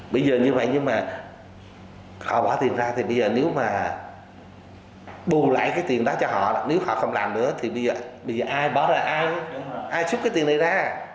bây giờ như vậy nhưng mà họ bỏ tiền ra thì bây giờ nếu mà bù lại cái tiền đó cho họ nếu họ không làm nữa thì bây giờ ai bỏ ra ai chút cái tiền này ra